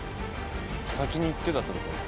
先に行ってたってこと？